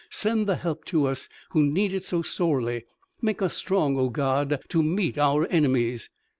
"Send the help to us who need it so sorely. Make us strong, O God, to meet our enemies!"